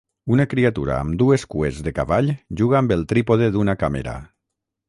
Una criatura amb dues cues de cavall juga amb el trípode d'una càmera.